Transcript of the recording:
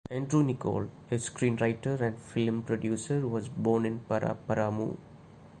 Andrew Niccol, a screenwriter and film producer, was born in Paraparaumu.